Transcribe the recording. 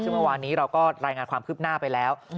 ซึ่งเมื่อวานนี้เราก็รายงานความคืบหน้าไปแล้ว